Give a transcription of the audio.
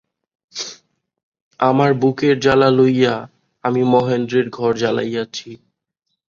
আমার বুকের জ্বালা লইয়া আমি মহেন্দ্রের ঘর জ্বালাইয়াছি।